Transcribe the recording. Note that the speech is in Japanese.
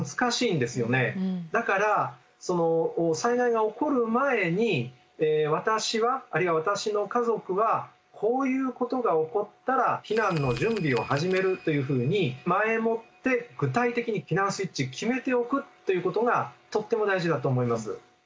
だから災害が起こる前に私はあるいは私の家族はこういうことが起こったら避難の準備を始めるというふうに前もって具体的に避難スイッチを決めておくということがとっても大事だと思います。